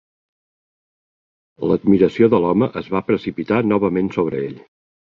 L'admiració de l'home es va precipitar novament sobre ell.